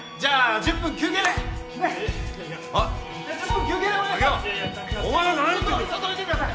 １０分だけください。